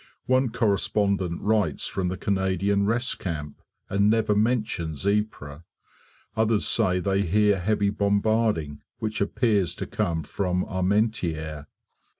One correspondent writes from the Canadian rest camp, and never mentions Ypres. Others say they hear heavy bombarding which appears to come from Armentieres.